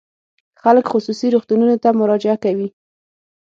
خلک خصوصي روغتونونو ته مراجعه کوي.